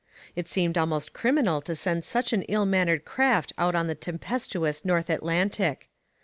It seemed almost criminal to send such an ill manned craft out on the tempestuous North Atlantic.